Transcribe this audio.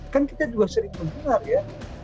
kan kita juga sering mendengar ya